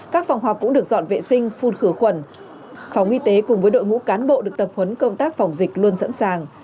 các phòng họp cũng được dọn vệ sinh phun khử khuẩn phòng y tế cùng với đội ngũ cán bộ được tập huấn công tác phòng dịch luôn sẵn sàng